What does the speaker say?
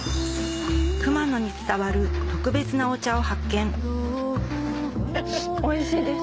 熊野に伝わる特別なお茶を発見おいしいです。